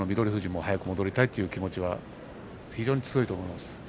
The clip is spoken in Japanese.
富士も早く戻りたいという気持ちは非常に強いと思います。